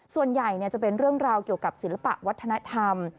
ส่วนใหญ่จะเป็นเรื่องราวเกี่ยวกับศิลปะวัฒนธรรม